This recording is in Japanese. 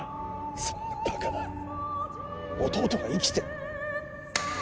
そんなバカな弟が生きてる？